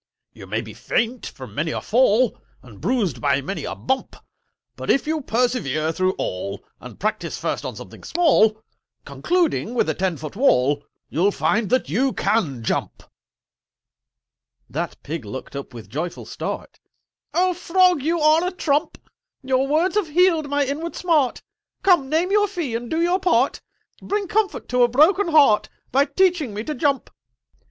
"You may be faint from many a fall, And bruised by many a bump: But, if you persevere through all, And practice first on something small, Concluding with a ten foot wall, You'll find that you can jump!" That Pig looked up with joyful start: "Oh Frog, you are a trump! Your words have healed my inward smart— Come, name your fee and do your part: Bring comfort to a broken heart By teaching me to jump!"